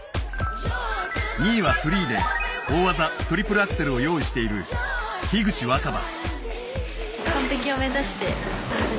２位はフリーで大技・トリプルアクセルを用意している樋口新葉。